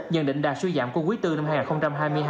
nhận định đạt suy giảm của quý bốn năm hai nghìn hai mươi hai